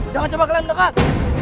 jangan cepat kalian dekat